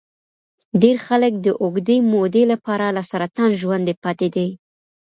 ډېر خلک د اوږدې مودې لپاره له سرطان ژوندي پاتې دي.